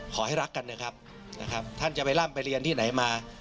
ขอให้รักกันนะครับท่านจะไปร่ำไปเรียนที่ไหนมา